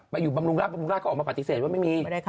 อยู่บำรุงราชบำรุงราชก็ออกมาปฏิเสธว่าไม่มี